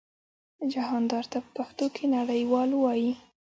جهاندار ته په پښتو کې نړیواک وايي.